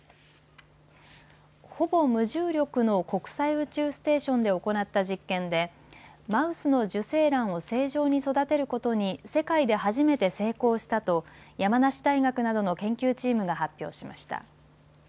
ほぼ無重力の国際宇宙ステーションで行った実験でマウスの受精卵を正常に育てることに世界で初めて成功したと山梨大学などの研究チームが発表しました。